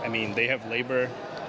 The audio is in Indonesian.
mereka memiliki pekerjaan